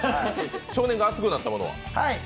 少年が熱くなったものは？